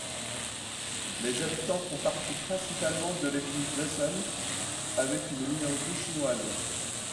Les habitants font partie principalement de l'ethnie Dusun avec une minorité chinoise.